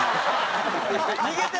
逃げて！